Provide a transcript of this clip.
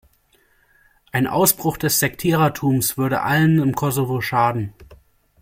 Ein Ausbruch des Sektierertums würde allen im Kosovo schaden.